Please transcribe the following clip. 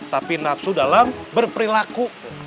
tapi nafsu dalam berperilaku